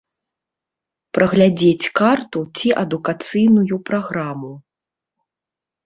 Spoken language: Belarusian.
Праглядзець карту ці адукацыйную праграму.